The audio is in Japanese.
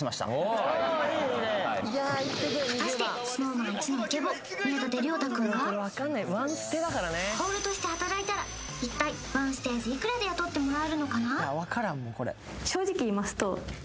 果たしてＳｎｏｗＭａｎイチのイケボ宮舘涼太君がコールとして働いたら一体１ステージいくらで雇ってもらえるのかな？